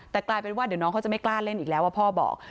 แต่กลายเป็นว่าเดี๋ยวน้องเขาจะไม่กล้าเล่นอีกแล้วว่าพ่อบอก